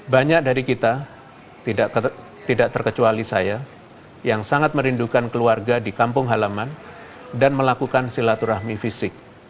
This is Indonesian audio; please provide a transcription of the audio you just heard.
banyak dari kita tidak terkecuali saya yang sangat merindukan keluarga di kampung halaman dan melakukan silaturahmi fisik